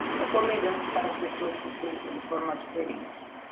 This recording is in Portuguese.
É tolerante para pessoas que pensam de forma diferente.